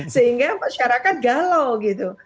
sehingga masyarakat galau gitu